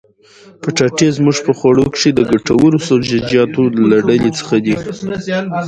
پټاټې زموږ په خوړو کښي د ګټورو سبزيجاتو له ډلي څخه دي.